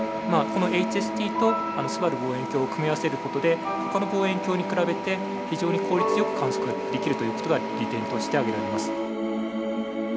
このＨＳＣとすばる望遠鏡を組み合わせる事でほかの望遠鏡に比べて非常に効率よく観測ができるという事が利点として挙げられます。